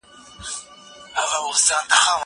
زه به سبا شګه پاک کړم؟!